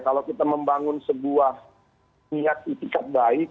kalau kita membangun sebuah niat itikat baik